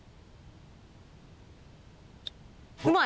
うまい！